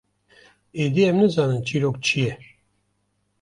êdî em nizanin çîrok çi ye.